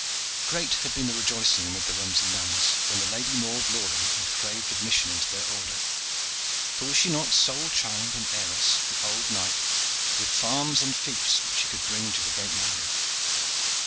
Great had been the rejoicing amid the Romsey nuns when the Lady Maude Loring had craved admission into their order for was she not sole child and heiress of the old knight, with farms and fiefs which she could bring to the great nunnery?